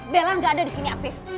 bella enggak ada di sini afif